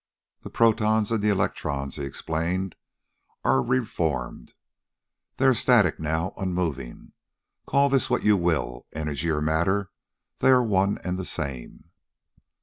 "The protons and the electrons," he explained, "are re formed. They are static now, unmoving. Call this what you will energy or matter they are one and the same."